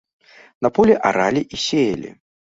На полі аралі і сеялі.